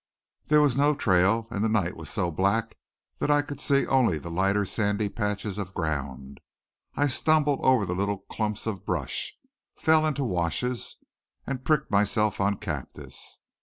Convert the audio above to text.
There was no trail and the night was so black that I could see only the lighter sandy patches of ground. I stumbled over the little clumps of brush, fell into washes, and pricked myself on cactus.